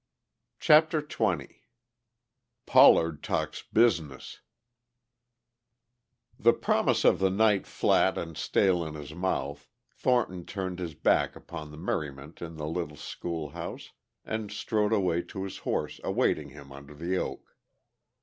CHAPTER XX POLLARD TALKS "BUSINESS" The promise of the night flat and stale in his mouth, Thornton turned his back upon the merriment in the little schoolhouse and strode away to his horse awaiting him under the oak.